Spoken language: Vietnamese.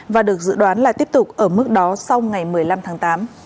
và được dự đoán là tiếp tục ở mức đó sau ngày một mươi năm tháng tám